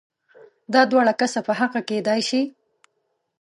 دا دواړه کسه په حقه کېدای شي؟